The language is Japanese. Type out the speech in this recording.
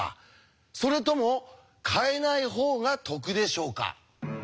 それとも変えない方が得でしょうか？